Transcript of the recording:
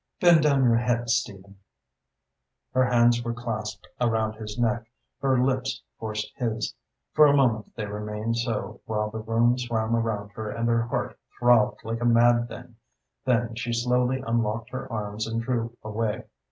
Bend down your head, Stephen." Her hands were clasped around his neck, her lips forced his. For a moment they remained so, while the room swam around her and her heart throbbed like a mad thing. Then she slowly unlocked her arms and drew away.